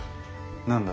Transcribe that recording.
何だ？